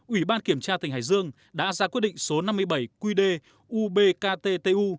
ủy ban kiểm tra tỉnh hải dương đã ra quyết định số năm mươi bảy qd ubkt tu